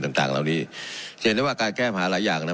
ต่างต่างเหล่านี้เสียใจว่าการแก้ผ่านหลายอย่างน่ะ